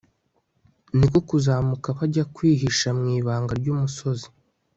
ni ko kuzamuka bajya kwihisha mu ibanga ry'umusozi